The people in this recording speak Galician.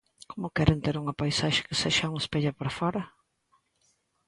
¿Como queren ter unha paisaxe que sexa un espello para fóra?